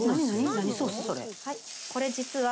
これ実は。